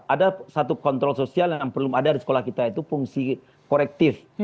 ada satu kontrol sosial yang belum ada di sekolah kita itu fungsi korektif